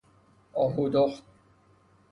آهودخت